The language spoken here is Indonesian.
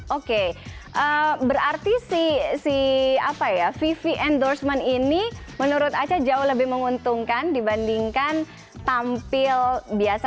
oke berarti si vv endorsement ini menurut aca jauh lebih menguntungkan dibandingkan tampil biasa